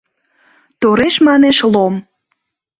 тореш манеш Лом.